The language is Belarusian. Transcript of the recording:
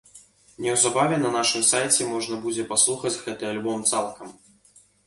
Неўзабаве на нашым сайце можна будзе паслухаць гэты альбом цалкам.